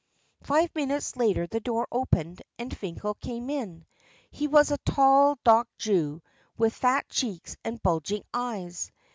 Five minutes later the door opened and Finkel came in. He was a tall, dark Jew, with fat cheeks and bulging eyes.